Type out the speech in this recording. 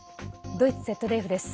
ドイツＺＤＦです。